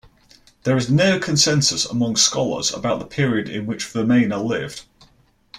There is no consensus among scholars about the period in which Vemana lived.